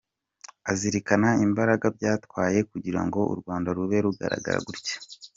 Azirikana imbaraga byatwaye kugira ngo u Rwanda rube rugaragara gutya.